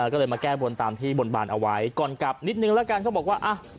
ก็เลยมาแก้บนตามที่บนบานเอาไว้ก่อนกลับนิดนึงแล้วกันเขาบอกว่าอ่ะ